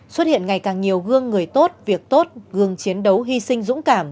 xuất hiện ngày càng nhiều gương người tốt việc tốt gương chiến đấu hy sinh dũng cảm